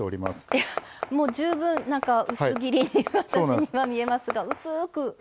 いやもう十分薄切りに私には見えますが薄く薄く。